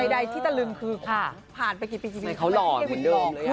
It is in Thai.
ใดที่จะลืมคือผ่านไปกี่ปีแล้วมันเหมือนเดิมเลยอ่ะ